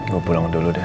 gue pulang dulu deh